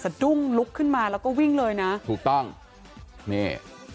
ดุ้งลุกขึ้นมาแล้วก็วิ่งเลยนะถูกต้องนี่